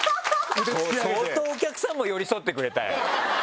相当お客さんも寄り添ってくれたよ。